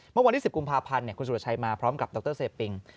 เมื่อวันที่๑๐กุมภาพันธ์คุณสุรชัยมาพร้อมกับดรเซปิง